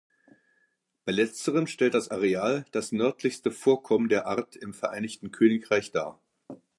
Bei letzterem stellt das Areal das nördlichste Vorkommen der Art im Vereinigten Königreich dar.